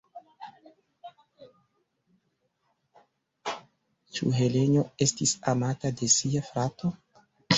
Ĉu Helenjo estis amata de sia frato?